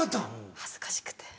恥ずかしくて。